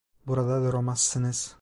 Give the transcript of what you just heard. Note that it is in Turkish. Burada duramazsınız.